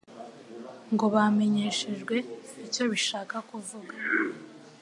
ngo bamenyeshwe icyo ibyo bishaka kuvuga.